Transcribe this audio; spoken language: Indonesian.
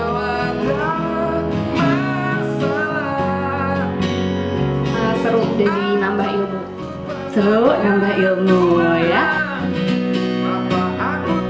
tidak akan mucho misteri untuk memacu salatan pert santos